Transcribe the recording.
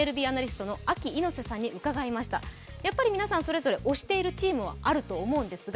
皆さん、それぞれ推してるチームがあると思うんですが